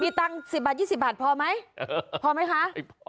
มีตังสิบบาทยี่สิบบาทพอไหมเออพอไหมคะไม่พอ